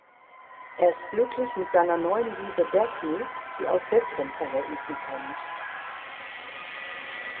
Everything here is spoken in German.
Er ist glücklich mit seiner neuen Liebe Dagny, die aus besseren Verhältnissen kommt.